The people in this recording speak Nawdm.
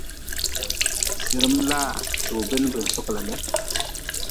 Sirm laa toob-n bi-n sokla le.